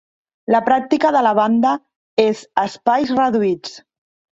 La pràctica de la banda és espais reduïts.